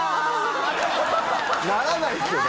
って。ならないですよね。